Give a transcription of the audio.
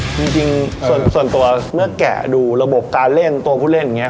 จริงส่วนตัวเมื่อแกะดูระบบการเล่นตัวผู้เล่นอย่างนี้